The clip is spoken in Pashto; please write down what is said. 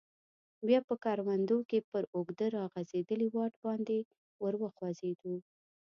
بیا په کروندو کې پر اوږده راغځیدلي واټ باندې ور وخوځیدو.